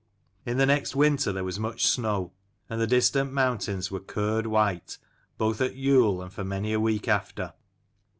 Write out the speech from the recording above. In the next winter there was much snow, and the distant mountains were curd white, both at Yule and for many a week after.